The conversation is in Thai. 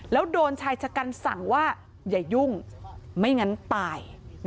แล้วโดนชายชะกันสั่งว่าอย่ายุ่งไม่งั้นตาย